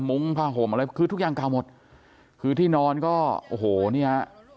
ผ้าห่มอะไรคือทุกอย่างเก่าหมดคือที่นอนก็โอ้โหเนี่ย